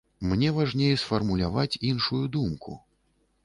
Мне важней сфармуляваць іншую думку.